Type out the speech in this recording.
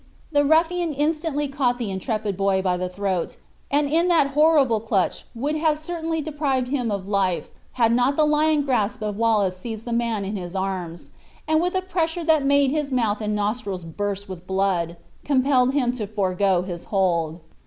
The ruffian instantly caught the intrepid boy by the throat, and in that horrible clutch would certainly have deprived him of life had not the lion grasp of Wallace seized the man in his arms, and with a pressure that made his mouth and nostrils burst with blood, compelled him to forego his hold.